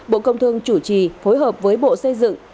bộ công thương chủ trì phối hợp với bộ xây dựng